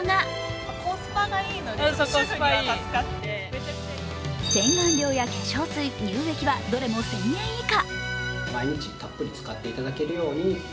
更にうれしいのが洗顔料や化粧水、乳液はどれも１０００円以下。